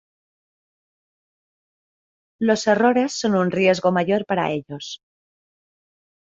Los errores son un riesgo mayor para ellos.